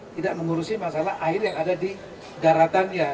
tidak mengurusi masalah air yang ada di daratannya